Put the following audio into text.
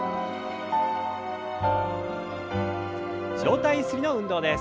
上体ゆすりの運動です。